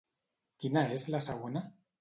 Quina és la segona?